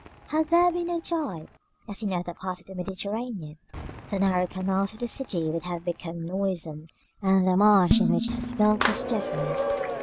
Had there been no tide, as in other parts of the Mediterranean, the narrow canals of the city would have become noisome, and the marsh in which it was built pestiferous.